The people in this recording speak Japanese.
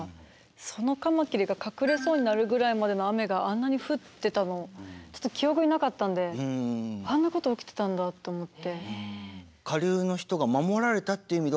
そのカマキリが隠れそうになるぐらいまでの雨があんなに降ってたのちょっと記憶になかったのであんなこと起きてたんだと思って。